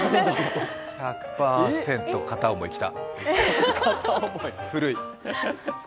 １００％片思い、きた、古い。